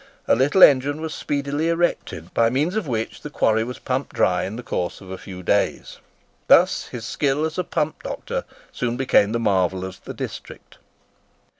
A little engine was speedily erected, by means of which the quarry was pumped dry in the course of a few days. Thus his skill as a pump doctor soon became the marvel of the district.